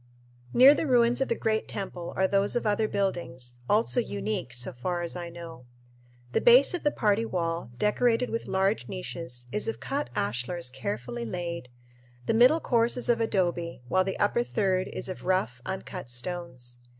Near the ruins of the great temple are those of other buildings, also unique, so far as I know. The base of the party wall, decorated with large niches, is of cut ashlars carefully laid; the middle course is of adobe, while the upper third is of rough, uncut stones.